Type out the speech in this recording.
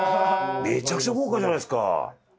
めちゃくちゃ豪華じゃないですか。